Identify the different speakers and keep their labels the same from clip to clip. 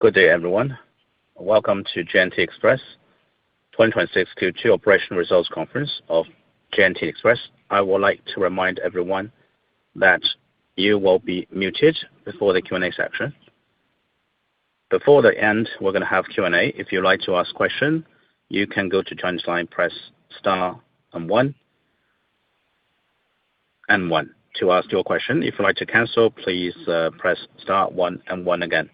Speaker 1: Good day, everyone. Welcome to J&T Express 2026 Q2 operational results conference of J&T Express. I would like to remind everyone that you will be muted before the Q&A section. Before the end, we're going to have Q&A. If you'd like to ask question, you can go to, press star and one. One to ask your question. If you'd like to cancel, please press star one and one again.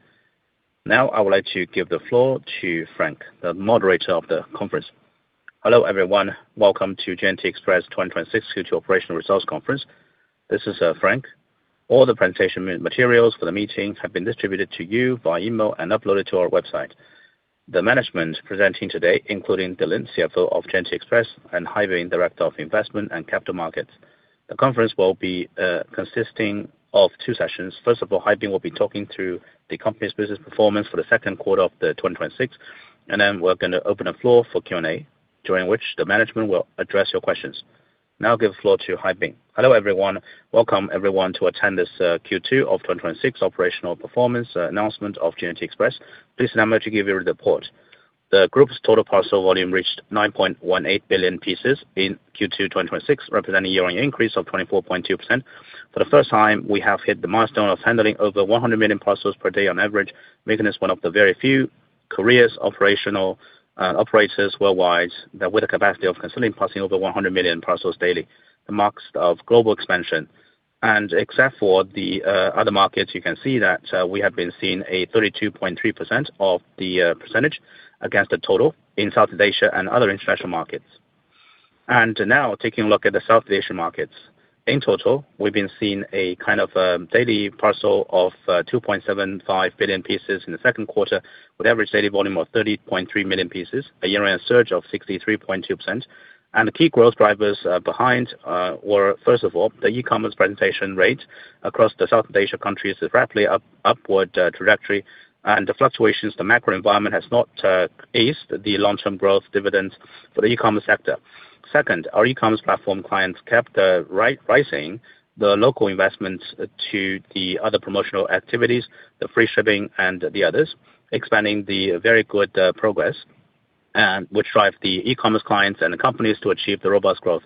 Speaker 1: Now I would like to give the floor to Frank, the moderator of the conference.
Speaker 2: Hello, everyone. Welcome to J&T Express 2026 Q2 operational results conference. This is Frank. All the presentation materials for the meetings have been distributed to you via email and uploaded to our website. The management presenting today, including Dylan, CFO of J&T Express, and Haibin, Director of Investment and Capital Markets. The conference will be consisting of two sessions. First of all, Haibin will be talking through the company's business performance for the second quarter of 2026, and then we're going to open the floor for Q&A, during which the management will address your questions. Now I give the floor to Haibin.
Speaker 3: Hello, everyone. Welcome everyone to attend this Q2 of 2026 operational performance announcement of J&T Express. Please allow me to give you the report. The group's total parcel volume reached 9.18 billion pieces in Q2 2026, representing a year-on-year increase of 24.2%. For the first time, we have hit the milestone of handling over 100 million parcels per day on average, making this one of the very few couriers operational operators worldwide that with a capacity of consistently processing over 100 million parcels daily, the marks of global expansion. Except for the other markets, you can see that we have been seeing a 32.3% of the percentage against the total in Southeast Asia and other international markets. Now taking a look at the Southeast Asian markets. In total, we've been seeing a kind of daily parcel of 2.75 billion pieces in the second quarter with average daily volume of 30.3 million pieces, a year-on-year surge of 63.2%. The key growth drivers behind were, first of all, the e-commerce penetration rate across the Southeast Asia countries is rapidly upward trajectory, and the fluctuations, the macro environment has not eased the long-term growth dividends for the e-commerce sector. Second, our e-commerce platform clients kept the right pricing, the local investments to the other promotional activities, the free shipping and the others, expanding the very good progress, and which drive the e-commerce clients and the companies to achieve the robust growth.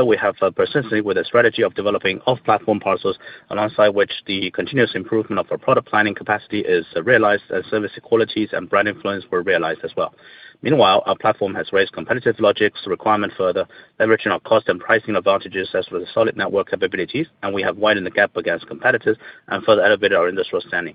Speaker 3: We have persistently with a strategy of developing off-platform parcels alongside which the continuous improvement of our product planning capacity is realized and service qualities and brand influence were realized as well. Meanwhile, our platform has raised competitive logics requirement for the leveraging of cost and pricing advantages as with solid network capabilities, and we have widened the gap against competitors and further elevated our industrial standing.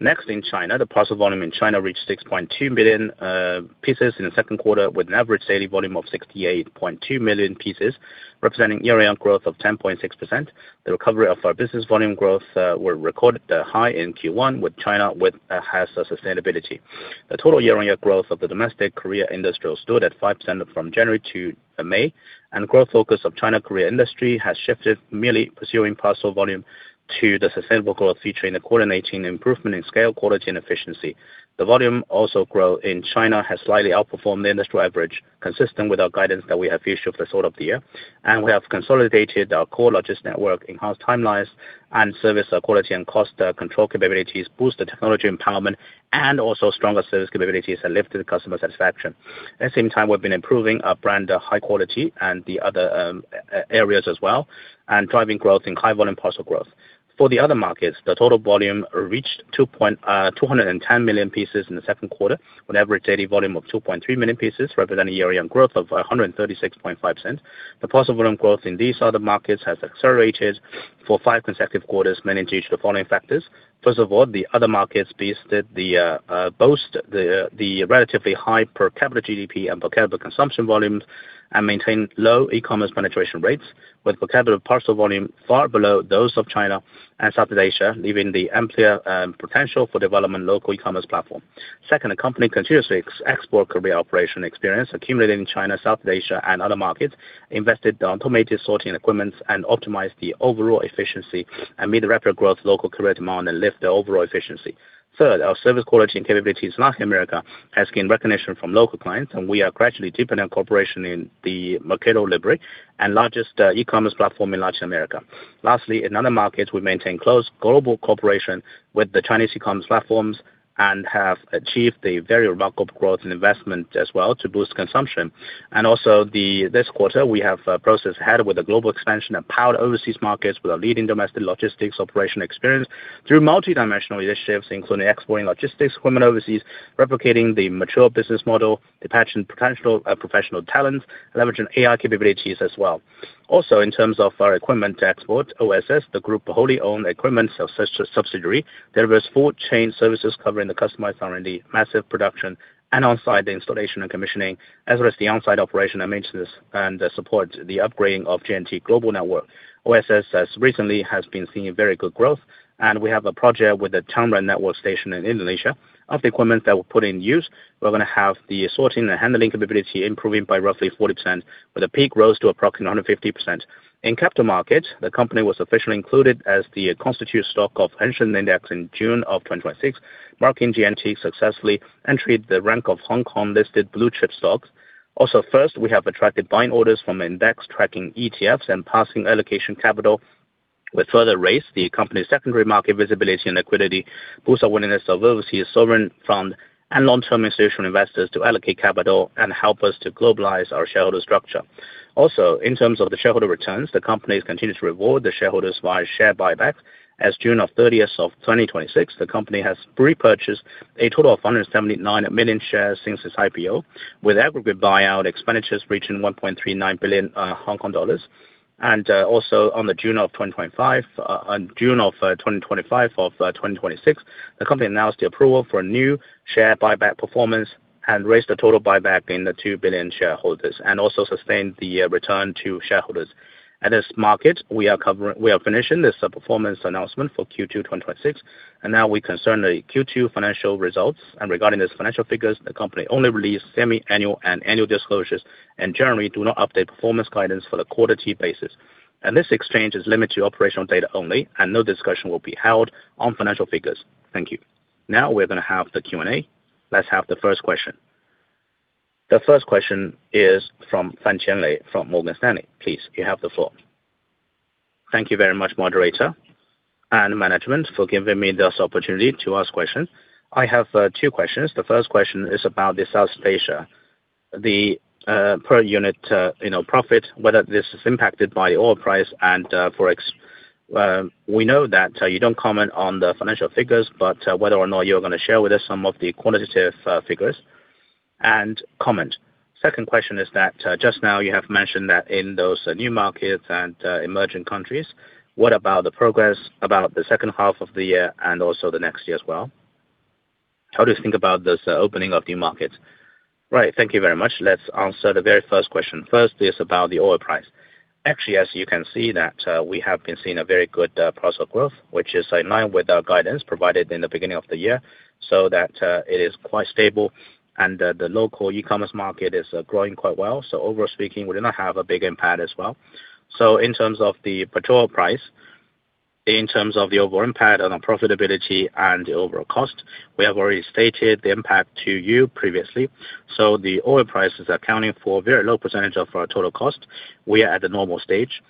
Speaker 3: Next in China, the parcel volume in China reached 6.2 billion pieces in the second quarter, with an average daily volume of 68.2 million pieces, representing year-on-year growth of 10.6%. The recovery of our business volume growth were recorded high in Q1 with China, with a higher sustainability. The total year-on-year growth of the domestic courier industry stood at 5% from January to May. Growth focus of China courier industry has shifted merely pursuing parcel volume to the sustainable growth, featuring the coordinating improvement in scale, quality, and efficiency. The volume also grow in China has slightly outperformed the industry average, consistent with our guidance that we have issued for the start of the year. We have consolidated our core logistics network, enhanced timelines and service quality and cost control capabilities, boost the technology empowerment and also stronger service capabilities that lift the customer satisfaction. At the same time, we've been improving our brand high quality and the other areas as well, driving growth in high volume parcel growth. For the other markets, the total volume reached 210 million pieces in the second quarter with an average daily volume of 2.3 million pieces, representing a year-on-year growth of 136.5%. The parcel volume growth in these other markets has accelerated for five consecutive quarters, mainly due to the following factors. First of all, the other markets boast the relatively high per capita GDP and per capita consumption volumes, maintain low e-commerce penetration rates with per capita parcel volume far below those of China and Southeast Asia, leaving the ample potential for development local e-commerce platform. Second, the company continuously export courier operation experience accumulated in China, Southeast Asia and other markets, invested automated sorting equipments and optimized the overall efficiency and meet the rapid growth local courier demand and lift the overall efficiency. Third, our service quality and capabilities in Latin America has gained recognition from local clients. We are gradually deepening our cooperation in the Mercado Libre and largest e-commerce platform in Latin America. Lastly, in other markets, we maintain close global cooperation with the Chinese e-commerce platforms and have achieved a very remarkable growth in investment as well to boost consumption. Also this quarter, we have process ahead with a global expansion that powered overseas markets with a leading domestic logistics operation experience through multidimensional initiatives, including exporting logistics equipment overseas, replicating the mature business model, the professional talents, leveraging AI capabilities as well. Also, in terms of our equipment export, OSS, the group wholly-owned equipment subsidiary. There was four chain services covering the customized R&D, massive production and on-site installation and commissioning, as well as the on-site operation and maintenance and support the upgrading of J&T Global Network. OSS has recently been seeing very good growth. We have a project with the Terminals Network Station in Indonesia. Of the equipment that we put in use, we're going to have the sorting and handling capability improving by roughly 40%, with a peak rose to approximately 150%. In capital markets, the company was officially included as the constituent stock of Hang Seng Index in June of 2026, marking J&T successfully entered the rank of Hong Kong-listed blue-chip stocks. First, we have attracted buying orders from index tracking ETFs and passing allocation capital. We further raise the company's secondary market visibility and liquidity, boost our willingness of overseas sovereign fund and long-term institutional investors to allocate capital and help us to globalize our shareholder structure. In terms of the shareholder returns, the company has continued to reward the shareholders via share buyback. As of June 30th, 2026, the company has repurchased a total of 179 million shares since its IPO, with aggregate buyout expenditures reaching 1.39 billion Hong Kong dollars. On June 25th, 2026, the company announced the approval for a new share buyback performance and raised the total buyback in the 2 billion shareholders, and also sustained the return to shareholders. At this market, we are finishing this performance announcement for Q2 2026. Now we concern the Q2 financial results. Regarding these financial figures, the company only released semi-annual and annual disclosures and generally do not update performance guidance for the quarterly basis. This exchange is limited to operational data only and no discussion will be held on financial figures. Thank you.
Speaker 2: Now we're going to have the Q&A. Let's have the first question. The first question is from Fan Qianlei from Morgan Stanley. Please, you have the floor.
Speaker 4: Thank you very much, moderator and management for giving me this opportunity to ask questions. I have two questions. The first question is about the Southeast Asia, the per unit profit, whether this is impacted by oil price and Forex. We know that you don't comment on the financial figures, but whether or not you're going to share with us some of the qualitative figures and comment. Second question is that, just now you have mentioned that in those new markets and emerging countries, what about the progress about the second half of the year and also the next year as well? How do you think about this opening of new markets?
Speaker 3: Right. Thank you very much. Let's answer the very first question. First is about the oil price. Actually, as you can see that we have been seeing a very good progress growth, which is in line with our guidance provided in the beginning of the year, so that it is quite stable and the local e-commerce market is growing quite well. Overall speaking, we do not have a big impact as well. In terms of the petrol price, in terms of the overall impact on our profitability and the overall cost, we have already stated the impact to you previously. The oil price is accounting for a very low percentage of our total cost. We are at the normal stage.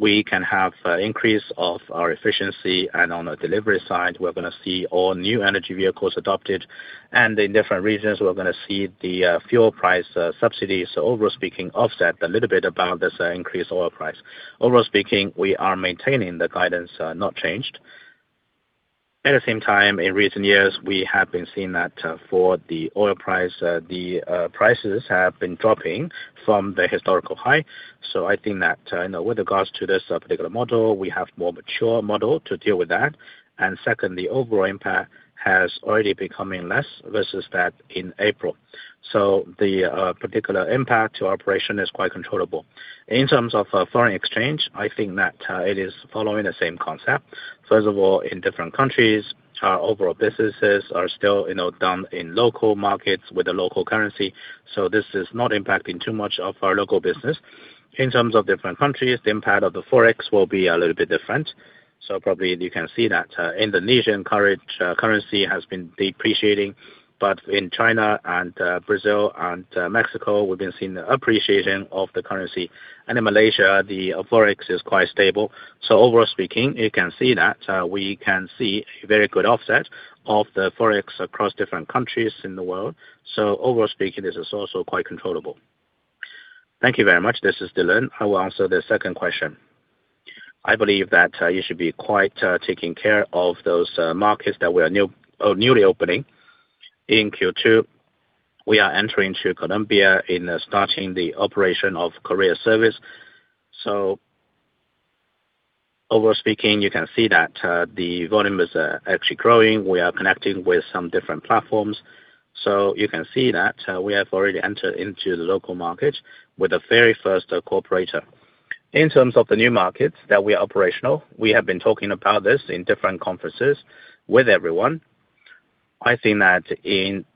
Speaker 3: We can have increase of our efficiency and on the delivery side, we're going to see all new energy vehicles adopted. In different regions, we're going to see the fuel price subsidies, overall speaking, offset a little bit about this increased oil price. Overall speaking, we are maintaining the guidance, not changed. At the same time, in recent years, we have been seeing that for the oil price, the prices have been dropping from the historical high. I think that, with regards to this particular model, we have more mature model to deal with that. Second, the overall impact has already becoming less versus that in April. The particular impact to our operation is quite controllable. In terms of foreign exchange, I think that it is following the same concept. First of all, in different countries, our overall businesses are still done in local markets with the local currency. This is not impacting too much of our local business. In terms of different countries, the impact of the Forex will be a little bit different. Probably you can see that Indonesian currency has been depreciating, but in China and Brazil and Mexico, we've been seeing the appreciation of the currency. In Malaysia, the Forex is quite stable. Overall speaking, you can see that we can see a very good offset of the Forex across different countries in the world. Overall speaking, this is also quite controllable.
Speaker 5: Thank you very much. This is Dylan. I will answer the second question. I believe that you should be quite taking care of those markets that we are newly opening. In Q2, we are entering Colombia in starting the operation of courier service. Overall speaking, you can see that the volume is actually growing. We are connecting with some different platforms. You can see that we have already entered into the local market with the very first cooperator. In terms of the new markets that we are operational, we have been talking about this in different conferences with everyone. I think that in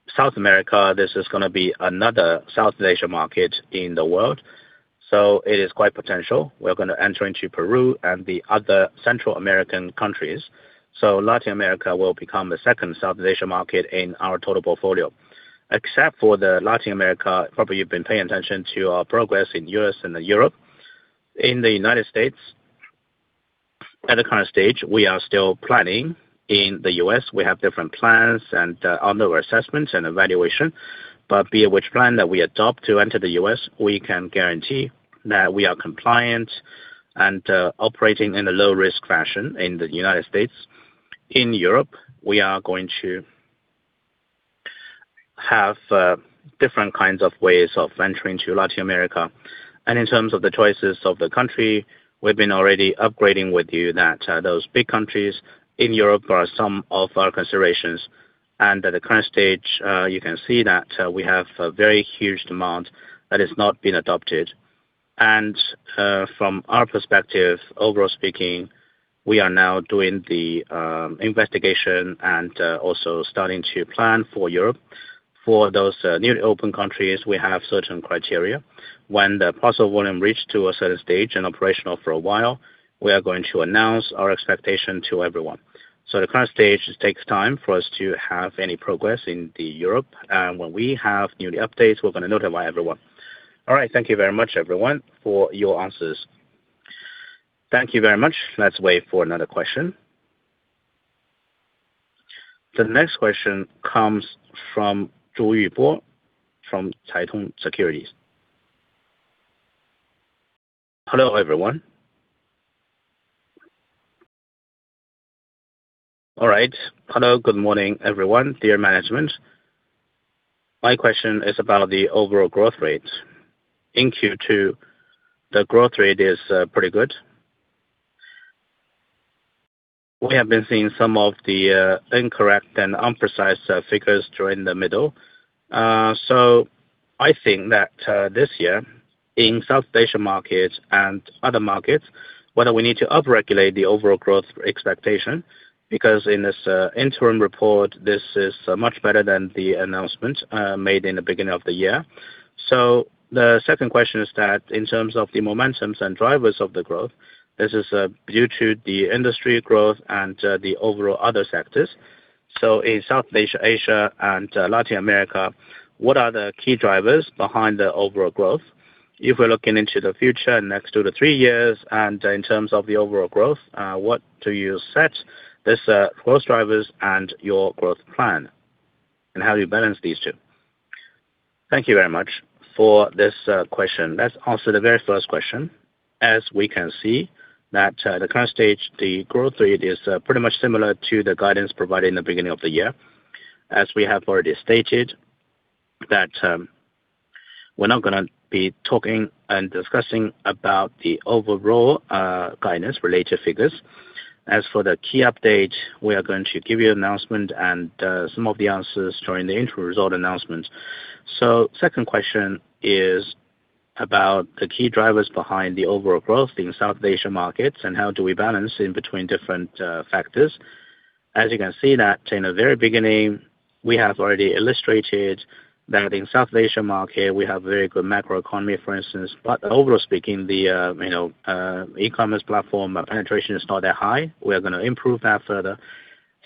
Speaker 5: South America, this is going to be another South Asia market in the world. It is quite potential. We're going to enter into Peru and the other Central American countries. Latin America will become the second South Asia market in our total portfolio. Except for the Latin America, probably you've been paying attention to our progress in U.S. and Europe. In the U.S., at the current stage, we are still planning. In the U.S., we have different plans and are under assessments and evaluation. Be it which plan that we adopt to enter the U.S., we can guarantee that we are compliant and operating in a low-risk fashion in the United States. In Europe, we are going to have different kinds of ways of entering Latin America. In terms of the choices of the country, we've been already upgrading with you that those big countries in Europe are some of our considerations. At the current stage, you can see that we have a very huge demand that is not been adopted. From our perspective, overall speaking, we are now doing the investigation and also starting to plan for Europe. For those newly open countries, we have certain criteria. When the parcel volume reached a certain stage and operational for a while, we are going to announce our expectation to everyone. The current stage, it takes time for us to have any progress in the Europe, and when we have new updates, we're going to notify everyone.
Speaker 4: All right. Thank you very much, everyone, for your answers.
Speaker 2: Thank you very much. Let's wait for another question. The next question comes from Zhu YuBo from Caitong Securities.
Speaker 6: Hello, everyone. All right. Hello, good morning, everyone. Dear management, my question is about the overall growth rate. In Q2, the growth rate is pretty good. We have been seeing some of the incorrect and imprecise figures during the middle. I think that this year in Southeast Asia markets and other markets, whether we need to up-regulate the overall growth expectation, because in this interim report, this is much better than the announcement made in the beginning of the year. The second question is that in terms of the momentums and drivers of the growth, this is due to the industry growth and the overall other sectors. In Southeast Asia and Latin America, what are the key drivers behind the overall growth? If we're looking into the future next two to three years and in terms of the overall growth, what do you set this growth drivers and your growth plan, and how do you balance these two?
Speaker 3: Thank you very much for this question. Let's answer the very first question. We can see that the current stage, the growth rate, is pretty much similar to the guidance provided in the beginning of the year. We have already stated that we're not going to be talking and discussing about the overall guidance related figures. As for the key update, we are going to give you an announcement and some of the answers during the interim result announcement. Second question is about the key drivers behind the overall growth in Southeast Asia markets and how do we balance in between different factors. As you can see that in the very beginning, we have already illustrated that in Southeast Asia market, we have very good macro economy, for instance. Overall speaking, the e-commerce platform penetration is not that high. We are going to improve that further.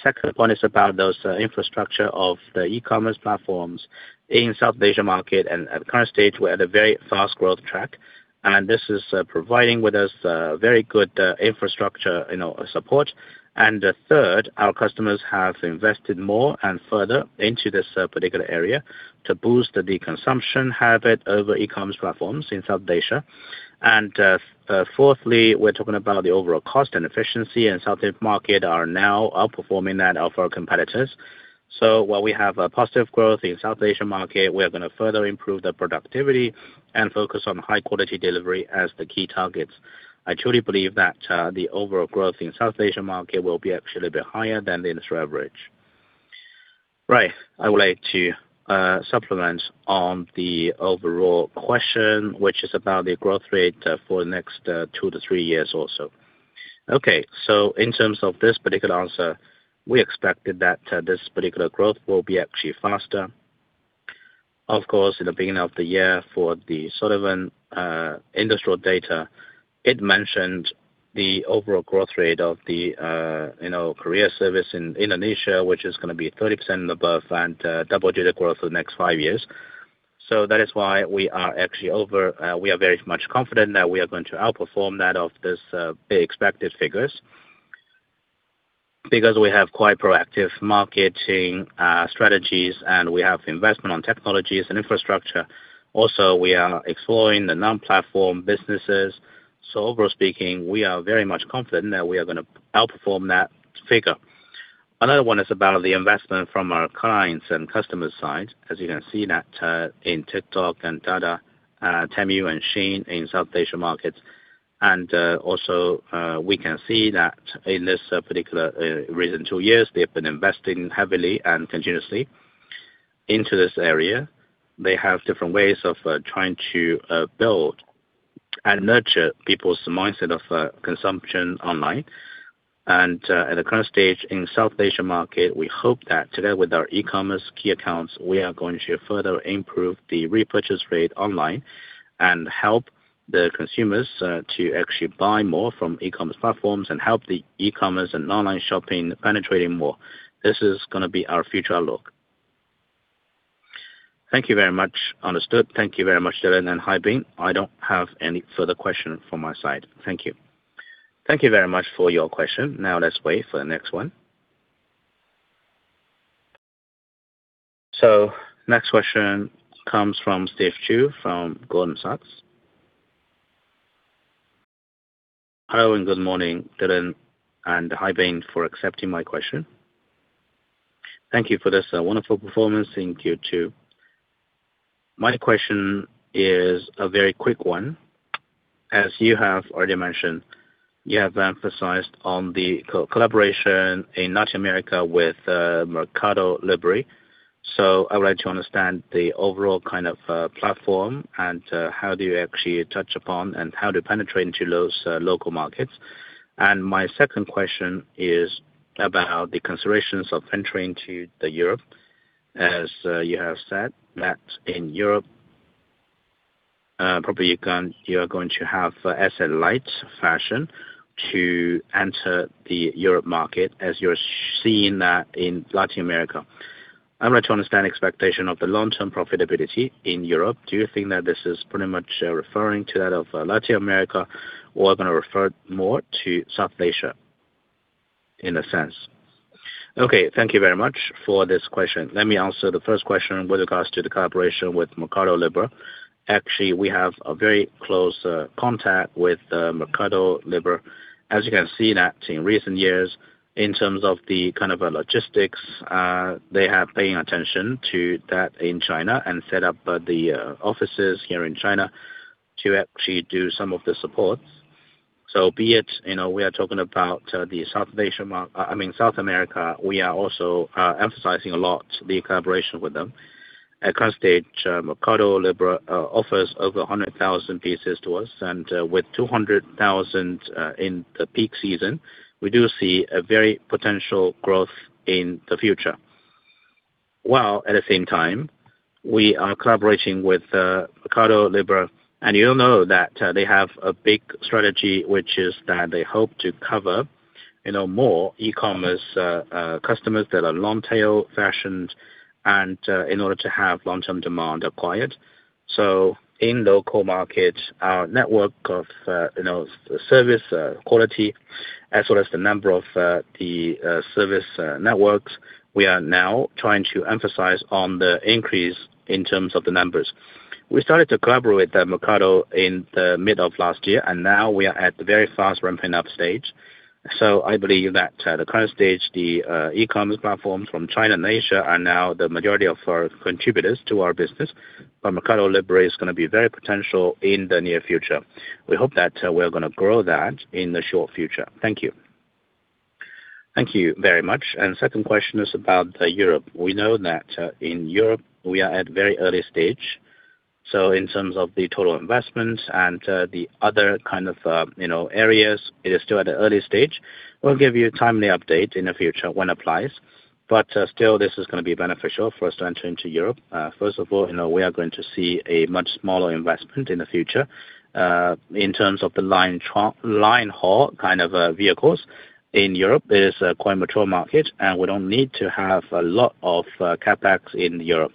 Speaker 3: Second point is about those infrastructure of the e-commerce platforms in Southeast Asia market. At current stage, we're at a very fast growth track, and this is providing with us very good infrastructure support. The third, our customers have invested more and further into this particular area to boost the consumption habit over e-commerce platforms in Southeast Asia. Fourthly, we're talking about the overall cost and efficiency in Southeast Asia market are now outperforming that of our competitors. While we have a positive growth in Southeast Asia market, we are going to further improve the productivity and focus on high quality delivery as the key targets. I truly believe that the overall growth in Southeast Asia market will be actually a bit higher than the industry average.
Speaker 5: Right. I would like to supplement on the overall question, which is about the growth rate for the next two to three years also. Okay. In terms of this particular answer, we expected that this particular growth will be actually faster. Of course, in the beginning of the year for the Frost & Sullivan industrial data, it mentioned the overall growth rate of the courier service in Indonesia, which is going to be 30% above and double-digit growth for the next five years. That is why we are very much confident that we are going to outperform that of this expected figures. Because we have quite proactive marketing strategies and we have investment on technologies and infrastructure. Also, we are exploring the non-platform businesses. Overall speaking, we are very much confident that we are going to outperform that figure. Another one is about the investment from our clients and customer side. As you can see that in TikTok, Temu and SHEIN in Southeast Asia markets. We can see that in this particular recent two years, they've been investing heavily and continuously into this area. They have different ways of trying to build and nurture people's mindset of consumption online. At the current stage in Southeast Asia market, we hope that together with our e-commerce key accounts, we are going to further improve the repurchase rate online and help the consumers to actually buy more from e-commerce platforms and help the e-commerce and online shopping penetrating more. This is going to be our future outlook.
Speaker 6: Thank you very much. Understood. Thank you very much, Dylan and Haibin. I don't have any further question from my side. Thank you.
Speaker 2: Thank you very much for your question. Now let's wait for the next one. Next question comes from Steve Chu from Goldman Sachs.
Speaker 7: Hello, and good morning, Dylan and Haibin, for accepting my question. Thank you for this wonderful performance in Q2. My question is a very quick one. As you have already mentioned, you have emphasized on the collaboration in Latin America with Mercado Libre. I would like to understand the overall kind of platform and how do you actually touch upon, and how to penetrate into those local markets. My second question is about the considerations of entering to Europe. As you have said that in Europe, probably you are going to have asset-light fashion to enter the Europe market as you're seeing that in Latin America. I would like to understand expectation of the long-term profitability in Europe. Do you think that this is pretty much referring to that of Latin America or going to refer more to Southeast Asia in a sense?
Speaker 3: Thank you very much for this question. Let me answer the first question with regards to the collaboration with Mercado Libre. Actually, we have a very close contact with Mercado Libre. As you can see that in recent years, in terms of the kind of logistics they are paying attention to that in China and set up the offices here in China to actually do some of the supports. We are talking about South America, we are also emphasizing a lot the collaboration with them. At current stage, Mercado Libre offers over 100,000 pieces to us, and with 200,000 in the peak season, we do see a very potential growth in the future. While at the same time, we are collaborating with Mercado Libre, you all know that they have a big strategy, which is that they hope to cover more e-commerce customers that are long tail fashions and in order to have long-term demand acquired. In local markets, our network of service quality as well as the number of the service networks, we are now trying to emphasize on the increase in terms of the numbers. We started to collaborate with Mercado in the mid of last year, and now we are at the very fast ramping up stage. I believe that at the current stage, the e-commerce platforms from China and Asia are now the majority of our contributors to our business. Mercado Libre is going to be very potential in the near future. We hope that we're going to grow that in the short future. Thank you.
Speaker 5: Thank you very much. Second question is about Europe. We know that in Europe we are at very early stage. In terms of the total investments and the other kind of areas, it is still at the early stage. We'll give you a timely update in the future when applies. Still, this is going to be beneficial for us to enter into Europe. First of all, we are going to see a much smaller investment in the future. In terms of the line haul kind of vehicles in Europe is a quite mature market, and we don't need to have a lot of CapEx in Europe.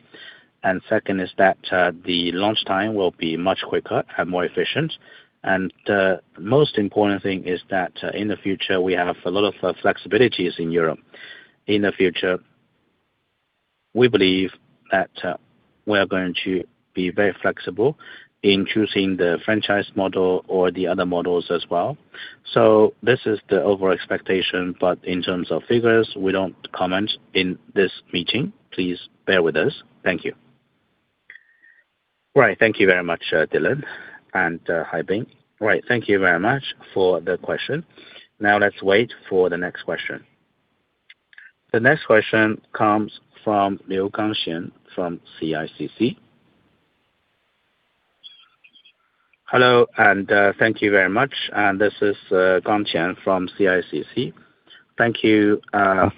Speaker 5: Second is that the launch time will be much quicker and more efficient. The most important thing is that in the future, we have a lot of flexibilities in Europe. In the future, we believe that we are going to be very flexible in choosing the franchise model or the other models as well. This is the overall expectation, but in terms of figures, we don't comment in this meeting. Please bear with us. Thank you.
Speaker 7: Right. Thank you very much, Dylan and Haibin.
Speaker 2: Right. Thank you very much for the question. Now let's wait for the next question. The next question comes from Liu Gangxian from CICC.
Speaker 8: Hello, thank you very much. This is Gangxian from CICC. Thank you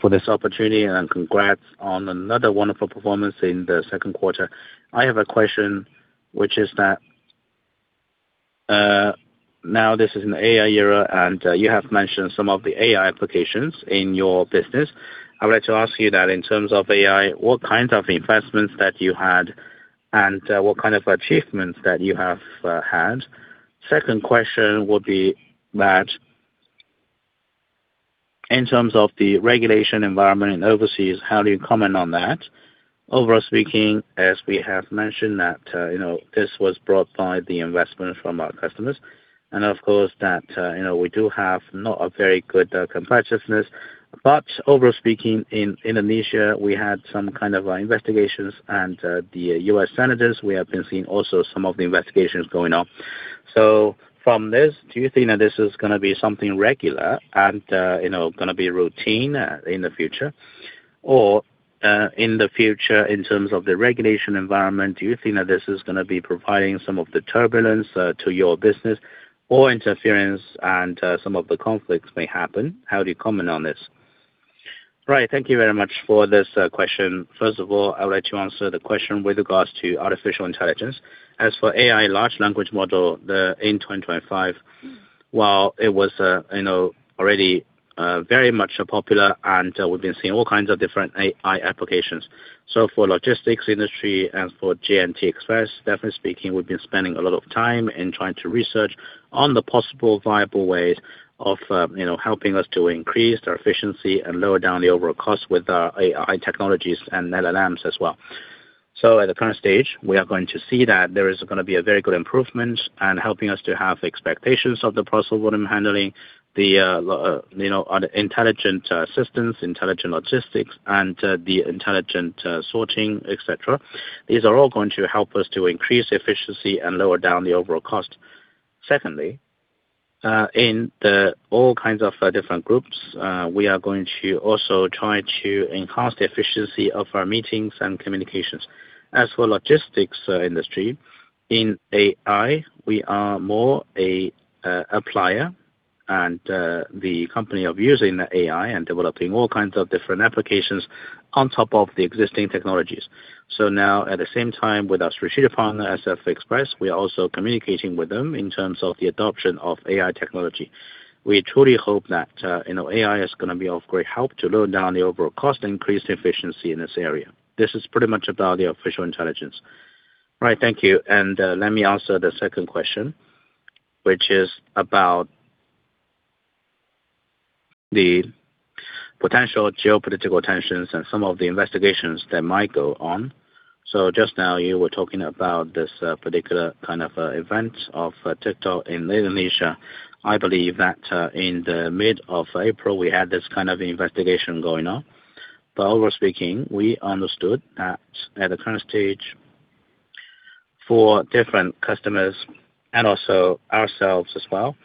Speaker 8: for this opportunity, and congrats on another wonderful performance in the second quarter. I have a question which is that, now this is an AI era, and you have mentioned some of the AI applications in your business. I would like to ask you that in terms of AI, what kinds of investments that you had and what kind of achievements that you have had? Second question would be that, in terms of the regulation environment and overseas, how do you comment on that? Overall speaking, as we have mentioned that this was brought by the investment from our customers, and of course that we do have not a very good competitiveness, but overall speaking, in Indonesia, we had some kind of investigations and the U.S. senators, we have been seeing also some of the investigations going on. From this, do you think that this is going to be something regular and going to be routine in the future? In the future, in terms of the regulation environment, do you think that this is going to be providing some of the turbulence to your business or interference and some of the conflicts may happen? How do you comment on this?
Speaker 5: Right. Thank you very much for this question. First of all, I would like to answer the question with regards to artificial intelligence. As for AI large language model in 2025, while it was already very much popular and we've been seeing all kinds of different AI applications. For logistics industry and for J&T Express, definitely speaking, we've been spending a lot of time in trying to research on the possible viable ways of helping us to increase our efficiency and lower down the overall cost with AI technologies and LLMs as well. At the current stage, we are going to see that there is going to be a very good improvement and helping us to have expectations of the parcel volume handling, the intelligent assistance, intelligent logistics and the intelligent sorting, et cetera. These are all going to help us to increase efficiency and lower down the overall cost. Secondly, in the all kinds of different groups, we are going to also try to enhance the efficiency of our meetings and communications. As for logistics industry, in AI, we are more a applier and the company of using AI and developing all kinds of different applications on top of the existing technologies. Now, at the same time with our strategic partner, SF Express, we are also communicating with them in terms of the adoption of AI technology. We truly hope that AI is going to be of great help to lower down the overall cost, increase efficiency in this area. This is pretty much about the artificial intelligence. Right. Thank you. Let me answer the second question, which is about the potential geopolitical tensions and some of the investigations that might go on. Just now, you were talking about this particular kind of event of TikTok in Indonesia. I believe that in the mid of April, we had this kind of investigation going on. Overall speaking, we understood that at the current stage, for different customers and also ourselves as well,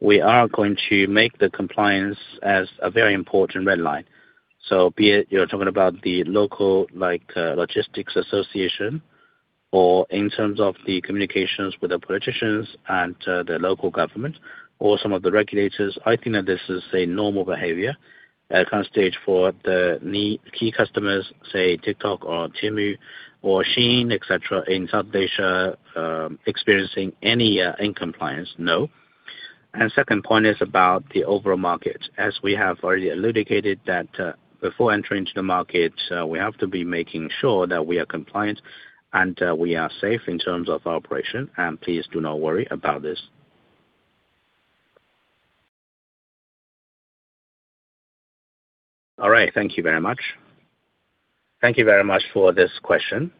Speaker 5: we are going to make the compliance as a very important red line. Be it, you're talking about the local logistics association, or in terms of the communications with the politicians and the local government or some of the regulators, I think that this is a normal behavior at current stage for the key customers, say, TikTok or Temu or SHEIN, et cetera, in South Asia, experiencing any non-compliance? No. Second point is about the overall market. As we have already elucidated that before entering to the market, we have to be making sure that we are compliant and we are safe in terms of operation. Please do not worry about this.
Speaker 8: All right. Thank you very much.
Speaker 2: Thank you very much for this question.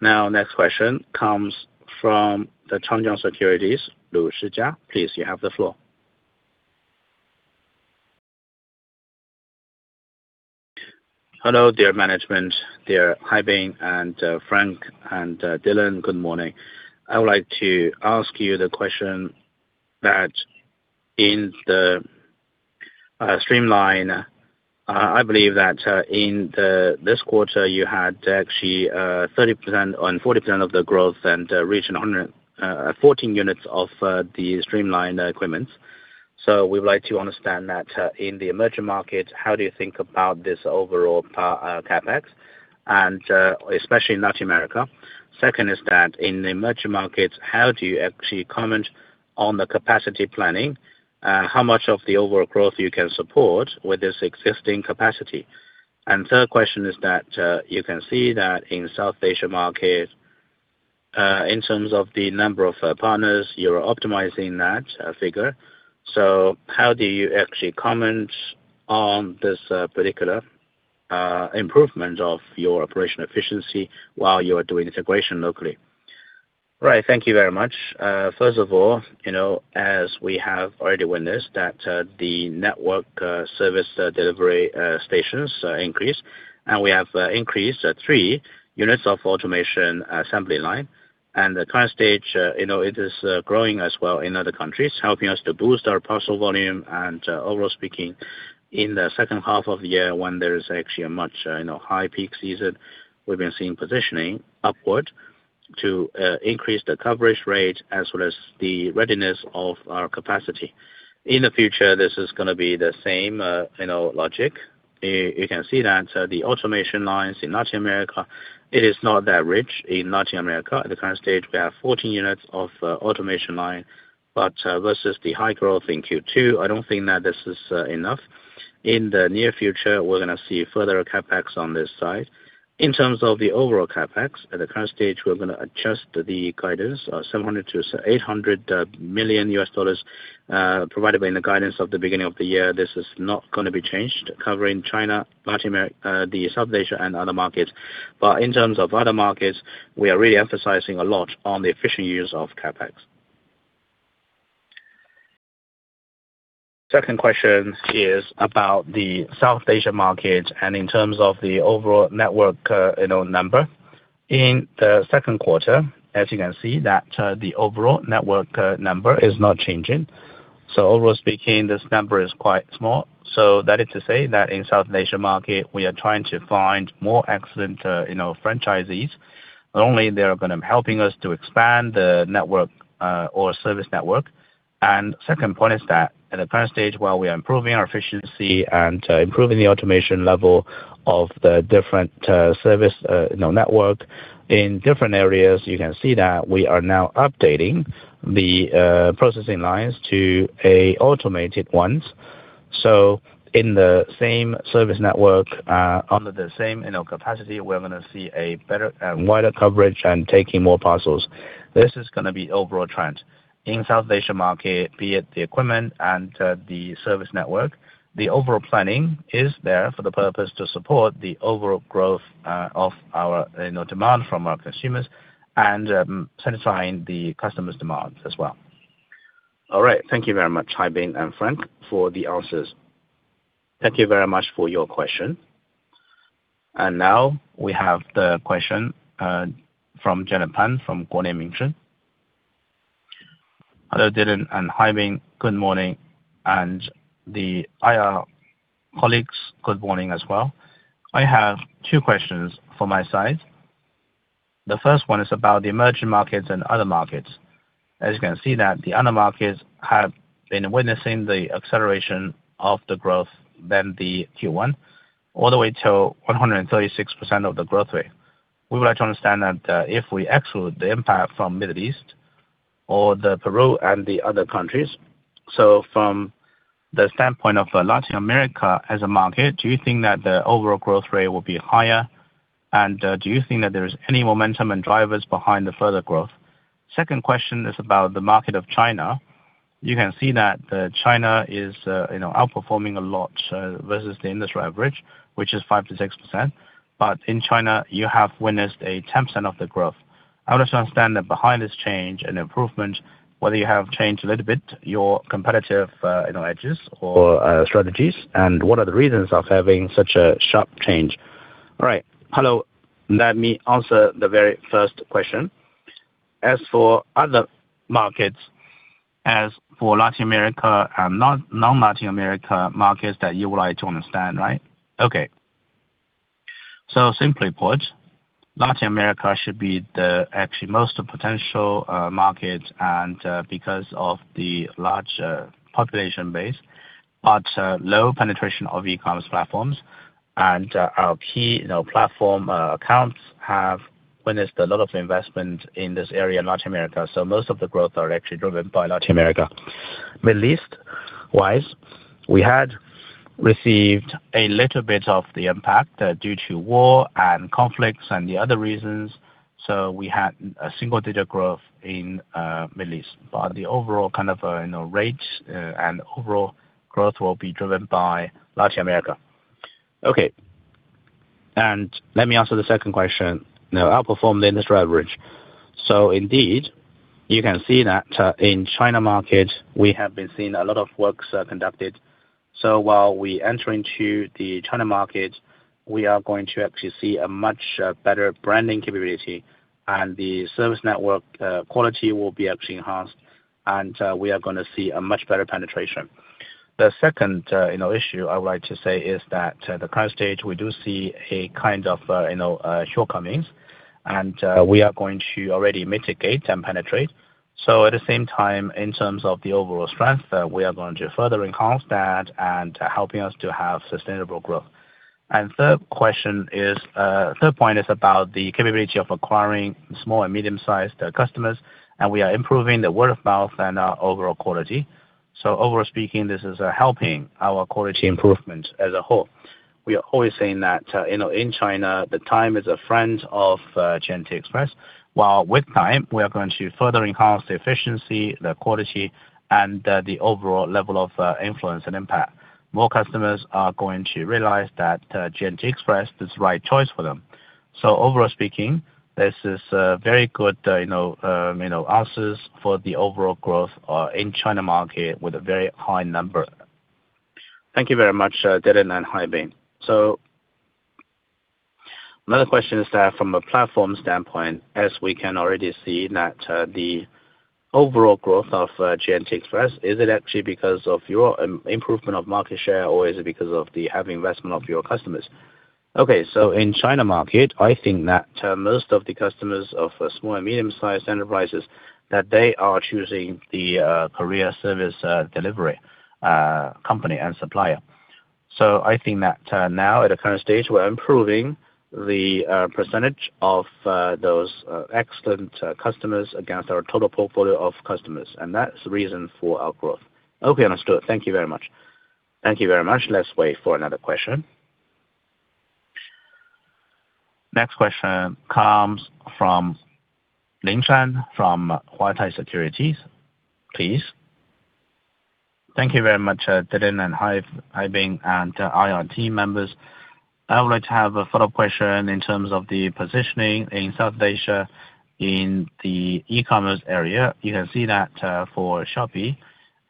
Speaker 2: Next question comes from the Changjiang Securities, Lu Sijia. Please, you have the floor.
Speaker 9: Hello, dear management, dear Haibin and Frank and Dylan. Good morning. I would like to ask you the question that in the streamline, I believe that in this quarter you had actually 30% on 40% of the growth and reached 114 units of the streamline equipments. We would like to understand that in the emerging market, how do you think about this overall CapEx, and especially in Latin America? Second is that in emerging markets, how do you actually comment on the capacity planning? How much of the overall growth you can support with this existing capacity? Third question is that, you can see that in South Asia market, in terms of the number of partners, you're optimizing that figure. How do you actually comment on this particular improvement of your operation efficiency while you are doing integration locally?
Speaker 3: Right. Thank you very much. First of all, as we have already witnessed that the network service delivery stations increase, we have increased three units of automation assembly line. The current stage, it is growing as well in other countries, helping us to boost our parcel volume. Overall speaking, in the second half of the year, when there is actually a much high peak season, we've been seeing positioning upward to increase the coverage rate as well as the readiness of our capacity. In the future, this is going to be the same logic. You can see that the automation lines in Latin America, it is not that rich in Latin America. At the current stage, we have 14 units of automation line, but versus the high growth in Q2, I don't think that this is enough. In the near future, we're going to see further CapEx on this side. In terms of the overall CapEx, at the current stage, we're going to adjust the guidance of $700 million-$800 million provided by the guidance of the beginning of the year. This is not going to be changed, covering China, the South Asia, and other markets. In terms of other markets, we are really emphasizing a lot on the efficient use of CapEx. Second question is about the South Asia market and in terms of the overall network number. In the second quarter, as you can see, that the overall network number is not changing. Overall speaking, this number is quite small. That is to say that in South Asia market, we are trying to find more excellent franchisees. Not only they're going to helping us to expand the network or service network. Second point is that at the current stage, while we are improving our efficiency and improving the automation level of the different service network in different areas, you can see that we are now updating the processing lines to a automated ones. In the same service network, under the same capacity, we're going to see a better and wider coverage and taking more parcels. This is going to be overall trend. In South Asia market, be it the equipment and the service network, the overall planning is there for the purpose to support the overall growth of our demand from our consumers and satisfying the customer's demands as well.
Speaker 9: All right. Thank you very much, Haibin and Frank for the answers.
Speaker 2: Thank you very much for your question. Now we have the question from [Jenna Pan] from Guolian Minsheng.
Speaker 10: Hello, Dylan and Haibin. Good morning. The IR colleagues, good morning as well. I have two questions for my side. The first one is about the emerging markets and other markets. As you can see that the other markets have been witnessing the acceleration of the growth than the Q1 all the way to 136% of the growth rate. We would like to understand that if we exclude the impact from Middle East or the Peru and the other countries. From the standpoint of Latin America as a market, do you think that the overall growth rate will be higher? Do you think that there is any momentum and drivers behind the further growth? Second question is about the market of China. You can see that China is outperforming a lot versus the industry average, which is 5%-6%. In China you have witnessed a 10% of the growth. I would understand that behind this change and improvement, whether you have changed a little bit your competitive edges or strategies, and what are the reasons of having such a sharp change?
Speaker 3: All right. Hello. Let me answer the very first question. As for other markets, as for Latin America and non-Latin America markets that you would like to understand, right? Okay. Simply put, Latin America should be the actually most potential market and because of the large population base, but low penetration of e-commerce platforms and our key platform accounts have witnessed a lot of investment in this area in Latin America. Most of the growth are actually driven by Latin America. Middle East wise, we had received a little bit of the impact due to war and conflicts and the other reasons. We had a single-digit growth in Middle East. The overall kind of rates and overall growth will be driven by Latin America.
Speaker 5: Okay. Let me answer the second question. Now, outperform the industry average. Indeed, you can see that in China market, we have been seeing a lot of works conducted. While we enter into the China market, we are going to actually see a much better branding capability and the service network quality will be actually enhanced, and we are going to see a much better penetration. The second issue I would like to say is that the current stage, we do see a kind of shortcomings, and we are going to already mitigate and penetrate. At the same time, in terms of the overall strength, we are going to further enhance that and helping us to have sustainable growth. Third point is about the capability of acquiring small and medium-sized customers, and we are improving the word of mouth and our overall quality. Overall speaking, this is helping our quality improvement as a whole. We are always saying that in China, the time is a friend of J&T Express. While with time, we are going to further enhance the efficiency, the quality, and the overall level of influence and impact. More customers are going to realize that J&T Express is right choice for them. Overall speaking, this is very good answers for the overall growth in China market with a very high number.
Speaker 10: Thank you very much, Dylan and Haibin. Another question is that from a platform standpoint, as we can already see that the overall growth of J&T Express, is it actually because of your improvement of market share or is it because of the heavy investment of your customers?
Speaker 3: Okay. In China market, I think that most of the customers of small and medium-sized enterprises, that they are choosing the courier service delivery company and supplier. I think now at the current stage, we're improving the percentage of those excellent customers against our total portfolio of customers, and that's the reason for our growth.
Speaker 10: Okay, understood. Thank you very much.
Speaker 2: Thank you very much. Let's wait for another question. Next question comes from Lin Shan from Huatai Securities. Please.
Speaker 11: Thank you very much, Dylan and Haibin and IR team members. I would like to have a follow-up question in terms of the positioning in Southeast Asia in the e-commerce area. You can see that for Shopee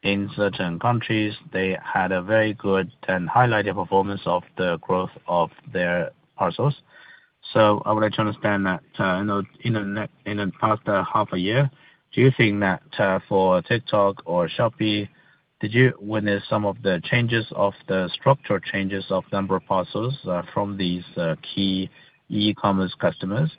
Speaker 11: in certain countries, they had a very good and highlighted performance of the growth of their parcels. I would like to understand that in the past half a year, do you think that for TikTok or Shopee, did you witness some of the structural changes of number of parcels from these key e-commerce customers?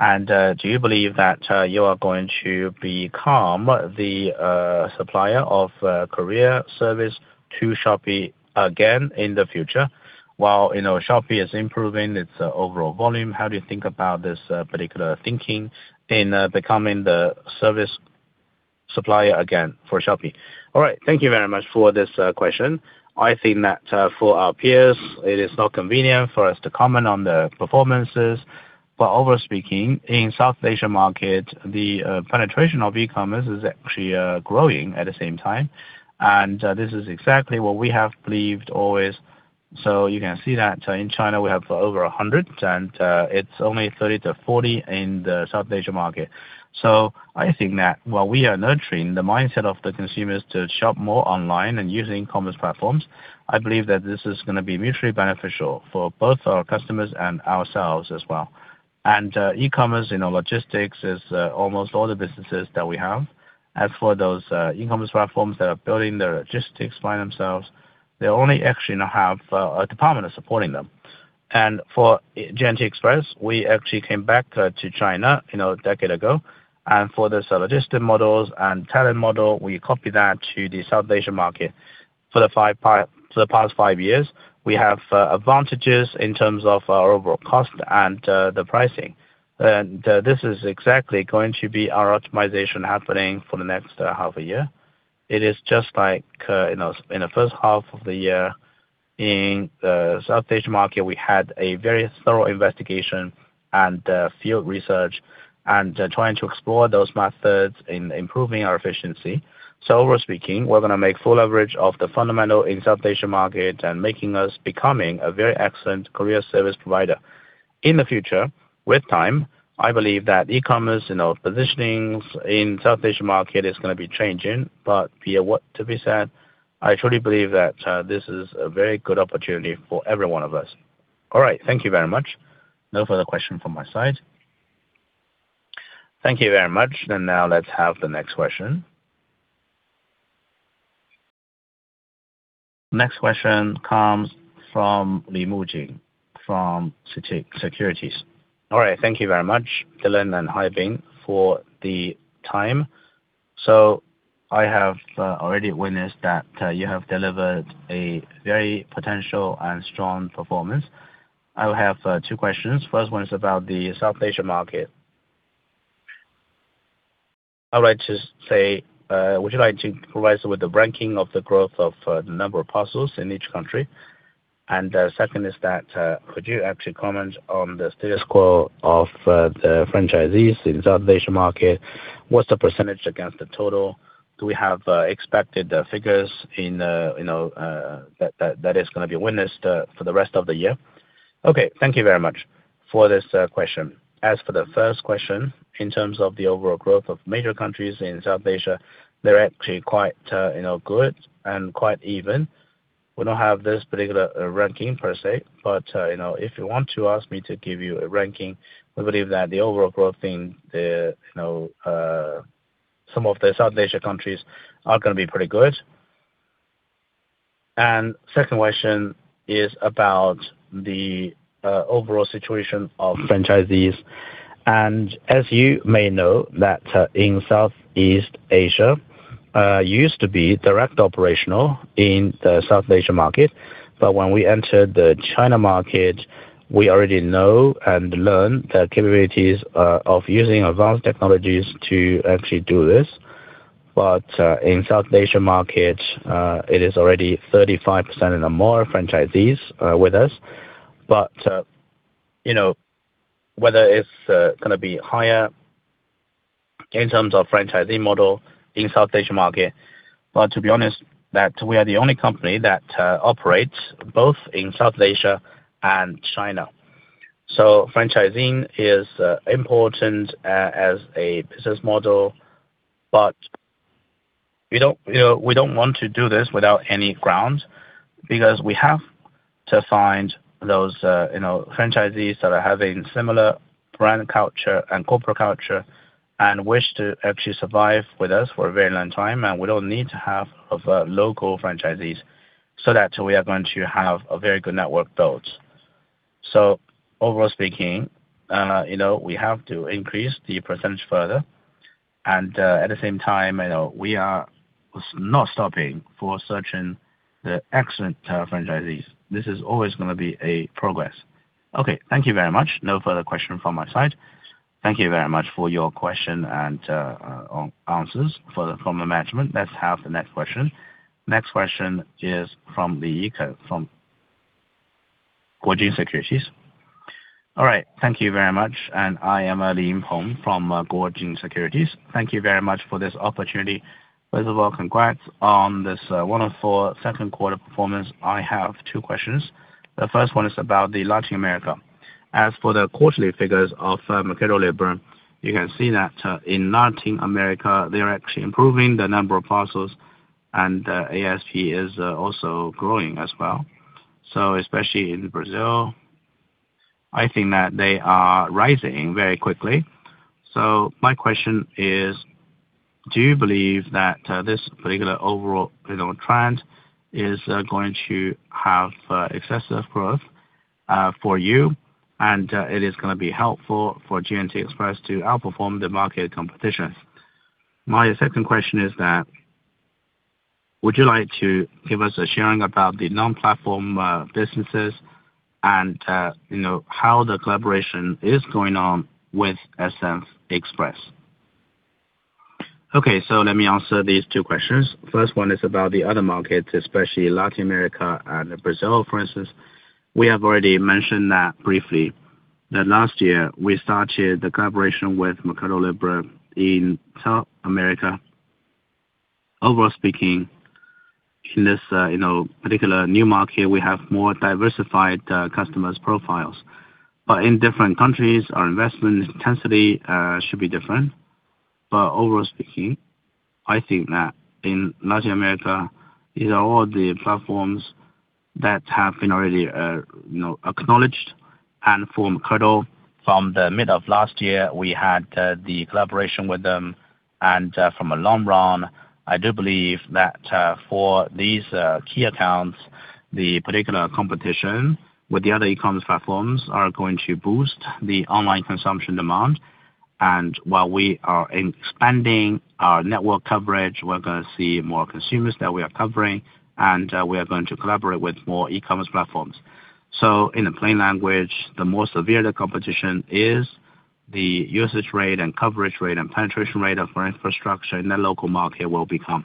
Speaker 11: Do you believe that you are going to become the supplier of courier service to Shopee again in the future, while Shopee is improving its overall volume? How do you think about this particular thinking in becoming the service supplier again for Shopee?
Speaker 5: All right. Thank you very much for this question. I think that for our peers, it is not convenient for us to comment on the performances. Overall speaking, in Southeast Asia market, the penetration of e-commerce is actually growing at the same time, and this is exactly what we have believed always. You can see that in China, we have over 100, and it is only 30-40 in the Southeast Asia market. I think that while we are nurturing the mindset of the consumers to shop more online and using e-commerce platforms, I believe that this is going to be mutually beneficial for both our customers and ourselves as well. E-commerce logistics is almost all the businesses that we have. As for those e-commerce platforms that are building their logistics by themselves, they only actually now have a department supporting them. For J&T Express, we actually came back to China a decade ago. For the logistic models and talent model, we copy that to the Southeast Asia market. For the past five years, we have advantages in terms of our overall cost and the pricing. This is exactly going to be our optimization happening for the next half a year. It is just like in the first half of the year in the Southeast Asia market, we had a very thorough investigation and field research and trying to explore those methods in improving our efficiency. Overall speaking, we are going to make full leverage of the fundamental in Southeast Asia market and making us becoming a very excellent courier service provider. In the future, with time, I believe that e-commerce positionings in Southeast Asia market is going to be changing. Be what to be said, I truly believe that this is a very good opportunity for every one of us.
Speaker 11: All right. Thank you very much. No further question from my side.
Speaker 2: Thank you very much. Now let us have the next question. Next question comes from [Limu Jing] from Securities.
Speaker 12: All right. Thank you very much, Dylan and Haibin, for the time. I have already witnessed that you have delivered a very potential and strong performance. I will have two questions. First one is about the Southeast Asia market. I would like to say, would you like to provide us with the ranking of the growth of the number of parcels in each country? Second is that, could you actually comment on the status quo of the franchisees in Southeast Asia market? What is the percentage against the total? Do we have expected figures that is going to be witnessed for the rest of the year?
Speaker 5: Okay. Thank you very much for this question. As for the first question, in terms of the overall growth of major countries in South Asia, they are actually quite good and quite even. We don't have this particular ranking per se, but if you want to ask me to give you a ranking, we believe that the overall growth in some of the South Asia countries are going to be pretty good. Second question is about the overall situation of franchisees. As you may know, that in Southeast Asia, used to be direct operational in the South Asia market. When we entered the China market, we already know and learn the capabilities of using advanced technologies to actually do this. In South Asia market, it is already 35% or more franchisees with us. Whether it's going to be higher in terms of franchisee model in South Asia market. To be honest, that we are the only company that operates both in South Asia and China. Franchising is important as a business model, we don't want to do this without any ground, because we have to find those franchisees that are having similar brand culture and corporate culture and wish to actually survive with us for a very long time. We don't need to have local franchisees, so that we are going to have a very good network built. Overall speaking, we have to increase the percentage further. At the same time, we are not stopping for searching the excellent franchisees. This is always going to be a progress.
Speaker 12: Okay. Thank you very much. No further question from my side.
Speaker 2: Thank you very much for your question and answers from the management. Let's have the next question. Next question is from [Li Yingpeng] from Guojin Securities.
Speaker 10: All right. Thank you very much. I am [Li Yingpeng] from Guojin Securities. Thank you very much for this opportunity. First of all, congrats on this wonderful second quarter performance. I have two questions. The first one is about Latin America. As for the quarterly figures of Mercado Libre, you can see that in Latin America, they are actually improving the number of parcels and ASP is also growing as well. Especially in Brazil, I think that they are rising very quickly. My question is, do you believe that this particular overall trend is going to have excessive growth for you, and it is going to be helpful for J&T Express to outperform the market competition?
Speaker 13: My second question is that, would you like to give us a sharing about the non-platform businesses and how the collaboration is going on with SF Express?
Speaker 3: Okay. Let me answer these two questions. First one is about the other markets, especially Latin America and Brazil, for instance. We have already mentioned that briefly, that last year we started the collaboration with Mercado Libre in South America. Overall speaking, in this particular new market, we have more diversified customers profiles. In different countries, our investment intensity should be different. Overall speaking, I think that in Latin America, these are all the platforms that have been already acknowledged. From [Codel], from the mid of last year, we had the collaboration with them. From a long run, I do believe that for these key accounts, the particular competition with the other e-commerce platforms are going to boost the online consumption demand. While we are expanding our network coverage, we're going to see more consumers that we are covering, and we are going to collaborate with more e-commerce platforms. In the plain language, the more severe the competition is, the usage rate and coverage rate and penetration rate of our infrastructure in the local market will become.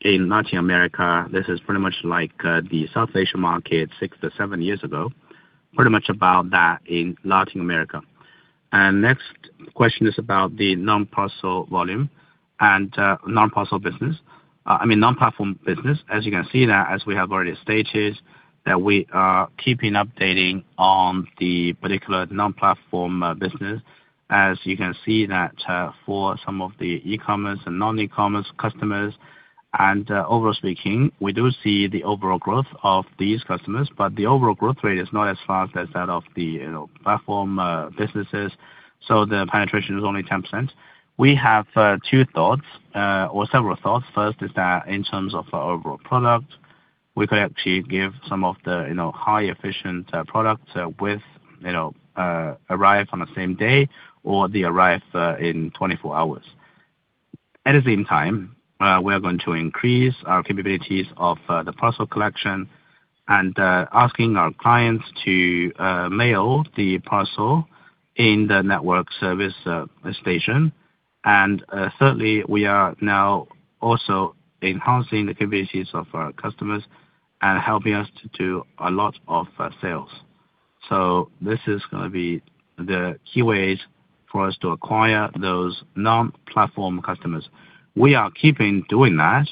Speaker 3: In Latin America, this is pretty much like the South Asia market six to seven years ago, pretty much about that in Latin America. Next question is about the non-parcel volume and non-parcel business. I mean, non-platform business. As you can see that, as we have already stated, that we are keeping updating on the particular non-platform business. As you can see that for some of the e-commerce and non-e-commerce customers, overall speaking, we do see the overall growth of these customers. The overall growth rate is not as fast as that of the platform businesses, so the penetration is only 10%. We have two thoughts, or several thoughts. First is that in terms of our overall product, we could actually give some of the high efficient products with arrive on the same day or they arrive in 24 hours. At the same time, we are going to increase our capabilities of the parcel collection and asking our clients to mail the parcel in the network service station. Thirdly, we are now also enhancing the capabilities of our customers and helping us to do a lot of sales. This is going to be the key ways for us to acquire those non-platform customers. We are keeping doing that,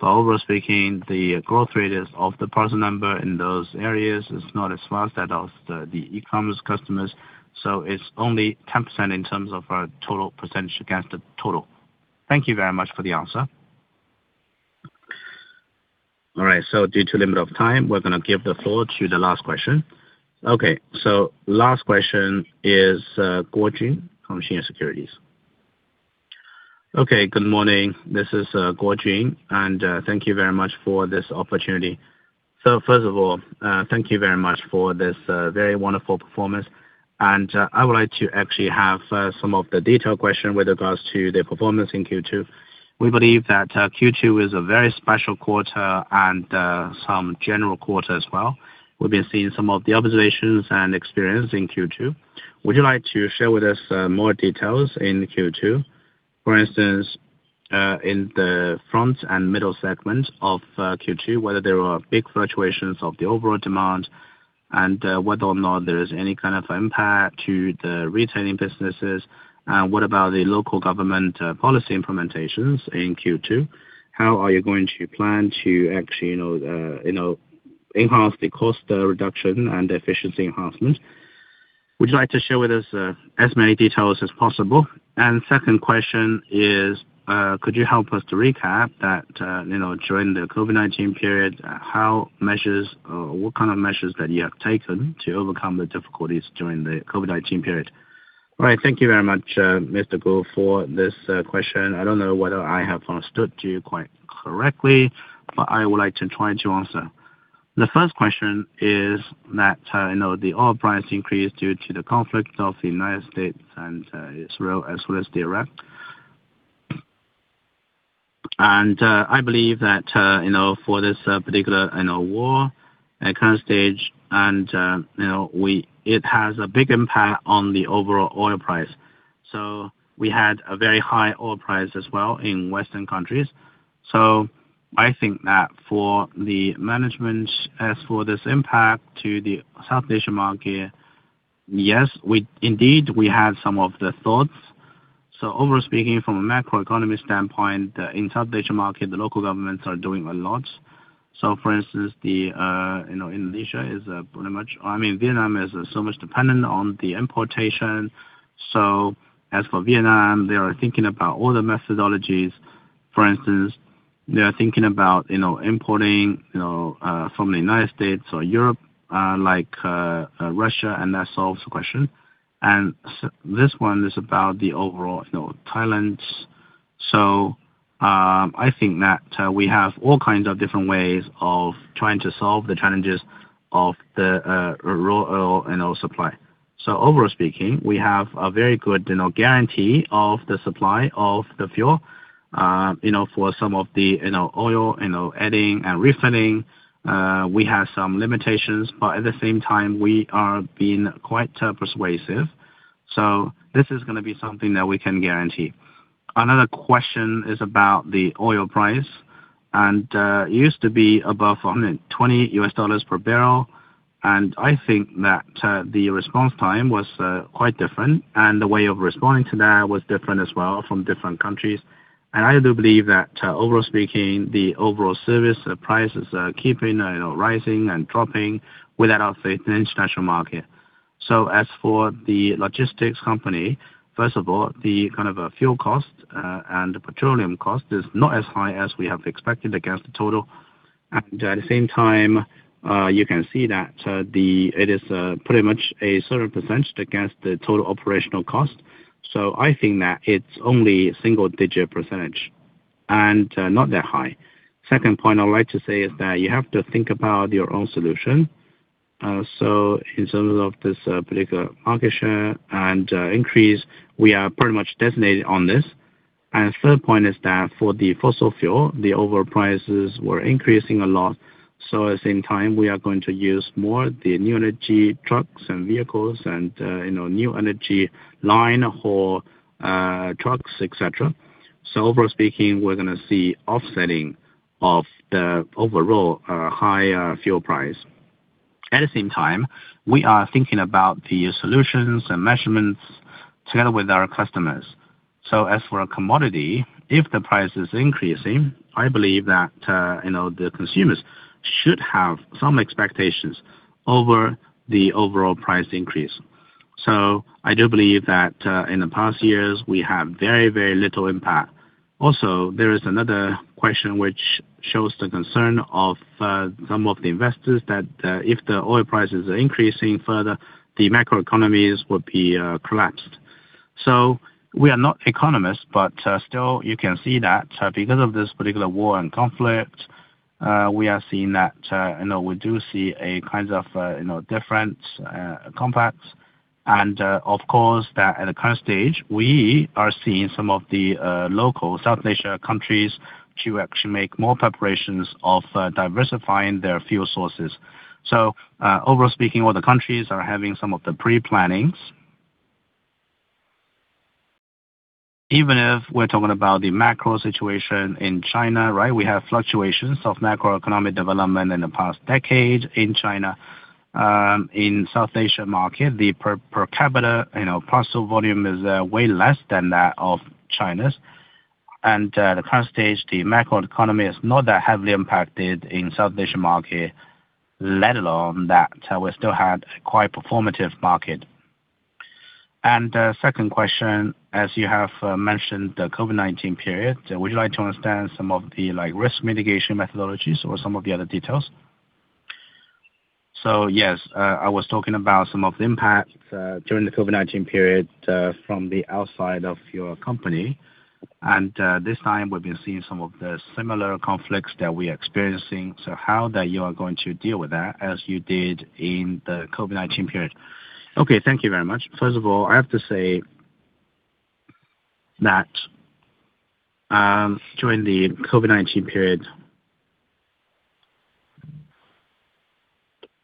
Speaker 3: overall speaking, the growth rate is of the parcel number in those areas is not as fast as those, the e-commerce customers. It's only 10% in terms of our total percentage against the total.
Speaker 13: Thank you very much for the answer.
Speaker 2: All right, due to limit of time, we're going to give the floor to the last question. Okay, last question is [Guo Jun] from Xingye Securities.
Speaker 14: Okay, good morning. This is [Guo Jun], thank you very much for this opportunity. First of all, thank you very much for this very wonderful performance. I would like to actually have some of the detailed question with regards to the performance in Q2. We believe that Q2 is a very special quarter and some general quarter as well. We've been seeing some of the observations and experience in Q2. Would you like to share with us more details in Q2? For instance, in the front and middle segment of Q2, whether there were big fluctuations of the overall demand and whether or not there is any kind of impact to the retailing businesses. What about the local government policy implementations in Q2? How are you going to plan to actually enhance the cost reduction and efficiency enhancement? Would you like to share with us as many details as possible? Second question is, could you help us to recap that during the COVID-19 period, how measures or what kind of measures that you have taken to overcome the difficulties during the COVID-19 period?
Speaker 5: All right. Thank you very much, Mr. [Guo], for this question. I don't know whether I have understood you quite correctly, I would like to try to answer. The first question is that the oil price increased due to the conflict of the U.S. and Israel, as well as Iraq. I believe that for this particular war current stage, it has a big impact on the overall oil price. We had a very high oil price as well in Western countries. I think that for the management as for this impact to the South Asia market, yes, indeed, we had some of the thoughts. Overall speaking, from a macro economy standpoint, in South Asia market, the local governments are doing a lot. For instance, Indonesia is pretty much Vietnam is so much dependent on the importation. As for Vietnam, they are thinking about all the methodologies. For instance, they are thinking about importing from the U.S. or Europe, like Russia, that solves the question. This one is about the overall Thailand. I think that we have all kinds of different ways of trying to solve the challenges of the raw oil supply. Overall speaking, we have a very good guarantee of the supply of the fuel for some of the oil adding and refining, we have some limitations, but at the same time, we are being quite persuasive. This is going to be something that we can guarantee. Another question is about the oil price, and it used to be above $120 per barrel. I think that the response time was quite different, and the way of responding to that was different as well from different countries. I do believe that overall speaking, the overall service prices are keeping rising and dropping without affecting the international market. As for the logistics company, first of all, the fuel cost and the petroleum cost is not as high as we have expected against the total. At the same time, you can see that it is pretty much a certain percentage against the total operational cost. I think that it's only a single-digit percentage, and not that high. Second point I would like to say is that you have to think about your own solution. In terms of this particular market share and increase, we are pretty much designated on this. Third point is that for the fossil fuel, the overall prices were increasing a lot. At the same time, we are going to use more the new energy trucks and vehicles and new energy line haul trucks, et cetera. Overall speaking, we are going to see offsetting of the overall high fuel price. At the same time, we are thinking about the solutions and measurements together with our customers. As for a commodity, if the price is increasing, I believe that the consumers should have some expectations over the overall price increase. I do believe that in the past years, we have very, very little impact. Also, there is another question which shows the concern of some of the investors that if the oil prices are increasing further, the macro economies would be collapsed. We are not economists, but still you can see that because of this particular war and conflict, we do see a kind of different impacts. Of course, that at the current stage, we are seeing some of the local South Asia countries to actually make more preparations of diversifying their fuel sources. Overall speaking, all the countries are having some of the pre-plannings. Even if we're talking about the macro situation in China, right? We have fluctuations of macroeconomic development in the past decade in China. In South Asia market, the per capita parcel volume is way less than that of China's. At the current stage, the macro economy is not that heavily impacted in South Asia market, let alone that we still had a quite performative market. Second question, as you have mentioned, the COVID-19 period, would you like to understand some of the risk mitigation methodologies or some of the other details?
Speaker 14: Yes, I was talking about some of the impacts during the COVID-19 period from the outside of your company. This time we've been seeing some of the similar conflicts that we are experiencing. How that you are going to deal with that as you did in the COVID-19 period?
Speaker 5: Okay. Thank you very much. First of all, I have to say that during the COVID-19 period,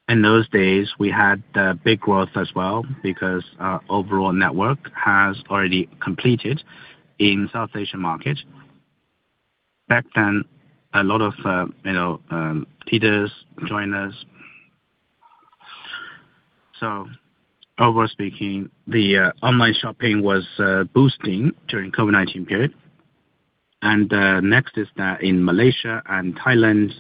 Speaker 5: in those days, we had the big growth as well because our overall network has already completed in South Asia market. Back then, a lot of leaders joined us. Overall speaking, the online shopping was boosting during COVID-19 period. Next is that in Malaysia and Thailand,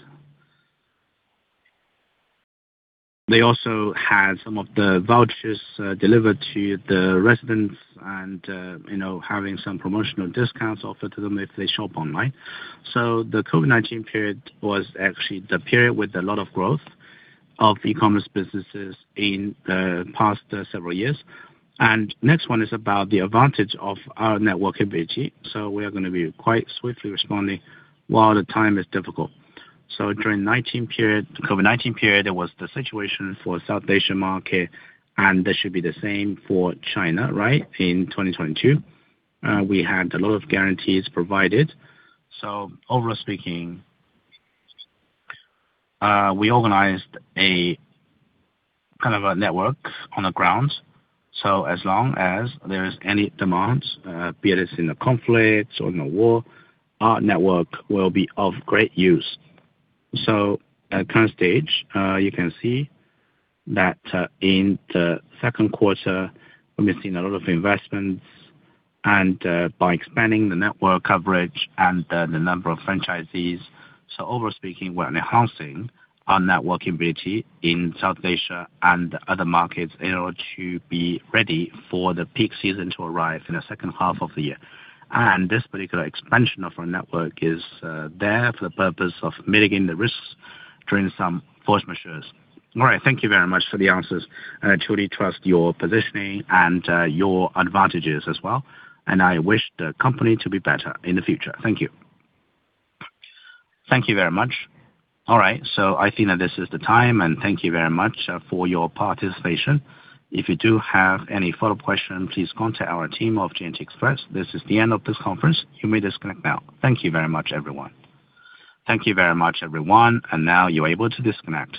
Speaker 5: they also had some of the vouchers delivered to the residents and having some promotional discounts offered to them if they shop online. The COVID-19 period was actually the period with a lot of growth of e-commerce businesses in the past several years. Next one is about the advantage of our network ability. We are going to be quite swiftly responding while the time is difficult. During COVID-19 period, there was the situation for South Asia market, and this should be the same for China, right? In 2022. We had a lot of guarantees provided. Overall speaking, we organized a kind of a network on the ground. As long as there is any demands, be it is in a conflict or in a war, our network will be of great use. At current stage, you can see that in the second quarter, we've seen a lot of investments and by expanding the network coverage and the number of franchisees. Overall speaking, we're enhancing our network ability in South Asia and other markets in order to be ready for the peak season to arrive in the second half of the year. This particular expansion of our network is there for the purpose of mitigating the risks during some force majeure.
Speaker 14: All right. Thank you very much for the answers. I truly trust your positioning and your advantages as well, and I wish the company to be better in the future. Thank you.
Speaker 2: Thank you very much. I think that this is the time and thank you very much for your participation. If you do have any follow questions, please contact our team of J&T Express. This is the end of this conference. You may disconnect now. Thank you very much, everyone.
Speaker 1: Thank you very much, everyone, and now you're able to disconnect.